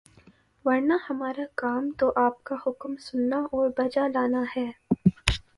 ورنہ ہمارا کام تو آپ کا حکم سننا اور بجا لانا ہے۔